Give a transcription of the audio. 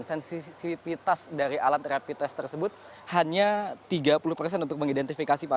dan sensitivitas dari alat rapid test tersebut hanya tiga puluh persen untuk mengidentifikasi